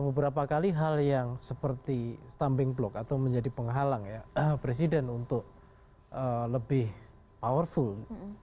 beberapa kali hal yang seperti stumping block atau menjadi penghalang ya presiden untuk lebih powerful